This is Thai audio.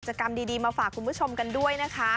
กรรมดีมาฝากคุณผู้ชมกันด้วยนะคะ